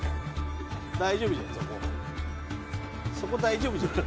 大丈夫じゃない？